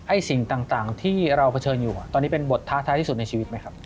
สิ่งต่างที่เราเผชิญอยู่ตอนนี้เป็นบทท้าท้ายที่สุดในชีวิตไหมครับ